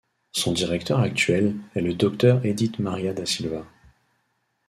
Son directeur actuel est le Dr Edith Maria da Silva.